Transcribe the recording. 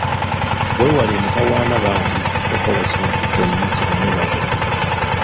Weewale emitawana bambi tokola kintu kyonna kirumya balala.